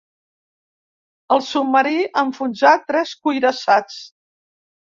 El submarí enfonsà tres cuirassats.